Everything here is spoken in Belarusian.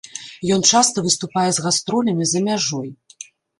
Ён часта выступае з гастролямі за мяжой.